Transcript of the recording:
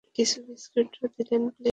কিছু বিস্কুটও দিয়েন, প্লিজ।